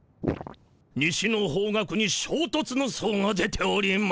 西の方角に「しょうとつ」の相が出ております。